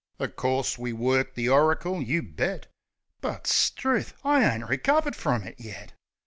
O' course we worked the oricle; you bet I But, struth, I ain't recovered frum it yet!